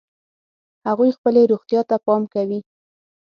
هغوی خپلې روغتیا ته پام کوي